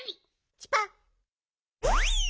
チュパッ。